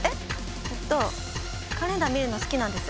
えっとカレンダー見るの好きなんです。